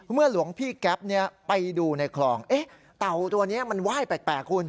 หลวงพี่แก๊ปไปดูในคลองเต่าตัวนี้มันไหว้แปลกคุณ